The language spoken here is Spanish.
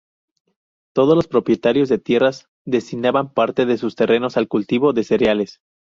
Todos los propietarios de tierras destinaban parte de sus terrenos al cultivo de cereales.